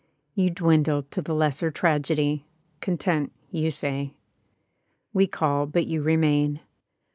You dwindle to the lesser tragedy — Content, you say. We call, but you remain.